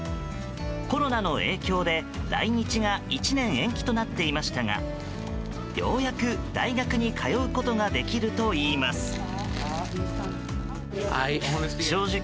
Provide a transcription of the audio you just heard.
コロナの影響で来日が１年延期となっていましたがようやく、大学に通うことができるといいます。